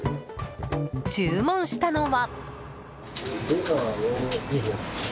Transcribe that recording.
注文したのは。